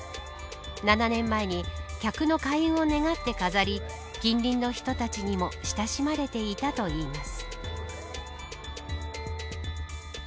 ７年前に客の開運を願って飾り近隣の人たちにも親しまれていたといいます。